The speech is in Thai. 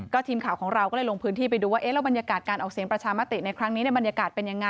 ทีมข่าวของเราก็เลยลงพื้นที่ไปดูว่าแล้วบรรยากาศการออกเสียงประชามติในครั้งนี้บรรยากาศเป็นยังไง